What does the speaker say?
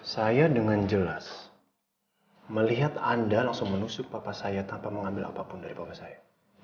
saya dengan jelas melihat anda langsung menusuk bapak saya tanpa mengambil apapun dari bapak saya